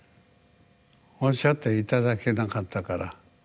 おっしゃって頂けなかったから。